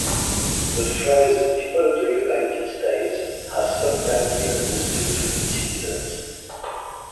The phrase "People of the United States" has sometimes been understood to mean "citizens.